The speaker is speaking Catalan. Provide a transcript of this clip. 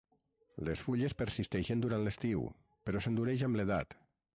Les fulles persisteixen durant l'estiu, però s'endureix amb l'edat.